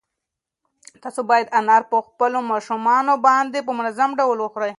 تاسو باید انار په خپلو ماشومانو باندې په منظم ډول وخورئ.